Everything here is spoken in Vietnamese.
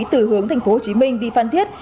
từ hướng tp hcm đi phan thiết